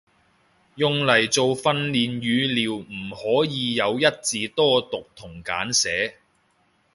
用嚟做訓練語料唔可以有一字多讀同簡寫